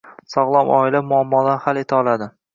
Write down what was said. Sog‘lom oila muammolarni hal eta oladi.